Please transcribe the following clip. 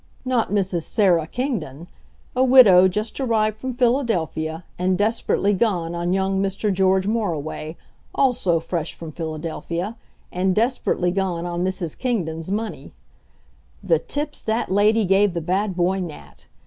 Not Mrs. Sarah Kingdon, a widow just arrived from Philadelphia, and desperately gone on young Mr. George Moriway, also fresh from Philadelphia, and desperately gone on Mrs. Kingdon's money. The tips that lady gave the bad boy Nat!